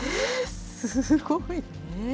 すごい。